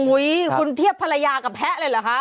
คุณเทียบภรรยากับแพะเลยเหรอคะ